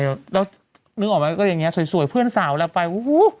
แล้วนึกออกไหมก็อย่างนี้สวยเพื่อนสาวแล้วไปโอ้โห